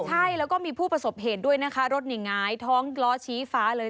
ใช่แล้วก็มีผู้ประสบเหตุด้วยนะคะรถนี่หงายท้องล้อชี้ฟ้าเลย